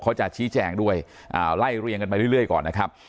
เขาจะชี้แจงด้วยอ่าไล่เรียงกันมาเรื่อยเรื่อยก่อนนะครับ